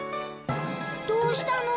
どうしたの？